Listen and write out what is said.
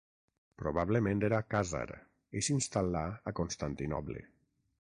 Probablement era khàzar i s'instal·là a Constantinoble.